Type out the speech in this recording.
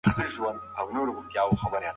په عربي نړۍ کې رانجه ډېر کارېږي.